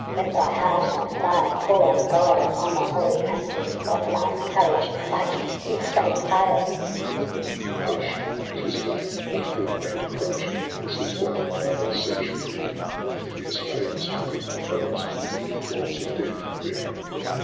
let thy heart not fail. Call on God and on the holy angels ! What, love, courage! — Christ! he is so pale. TRISTRAM AND ISEULT. 213 Tr I sir am. Hush, 'tis vain, I feel my end approaching! This is what my mother said should be, When the fierce pains took her in the forest, The deep draughts of death, in bearing me.